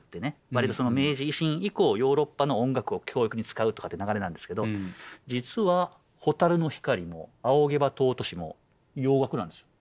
わりと明治維新以降ヨーロッパの音楽を教育に使うとかって流れなんですけど実は「蛍の光」も「仰げば尊し」も洋楽なんですよ。